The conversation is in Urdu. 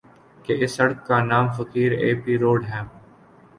کہ اِس سڑک کا نام فقیر ایپی روڈ ہے